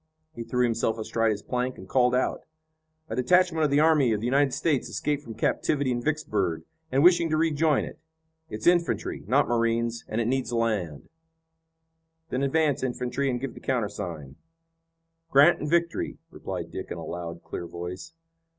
He threw himself astride his plank, and called out: "A detachment of the army of the United States escaped from captivity in Vicksburg, and wishing to rejoin it. It's infantry, not marines, and it needs land." "Then advance infantry and give the countersign." "Grant and Victory," replied Dick in a loud, clear voice.